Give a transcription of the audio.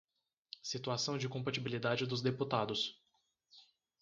Situação de compatibilidade dos deputados.